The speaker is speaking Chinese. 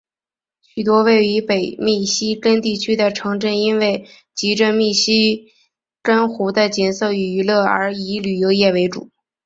许多位于北密西根地区的城镇因为藉着密西根湖的景色与娱乐而以旅游业为主。